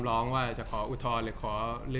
จากความไม่เข้าจันทร์ของผู้ใหญ่ของพ่อกับแม่